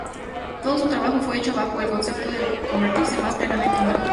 Todo su trabajo fue hecho bajo el concepto del "convertirse más plenamente humano".